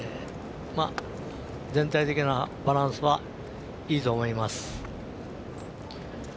全体的なバランスはいいと思います。